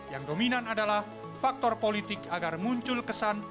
yang dominan adalah faktor politik agar muncul kesan